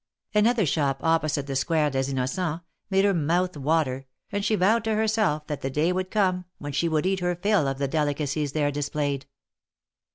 Another shop opposite the Square des Innocents made her mouth water, and she vowed to herself that the day would come, when she would eat her fill of the delicacies there displayed.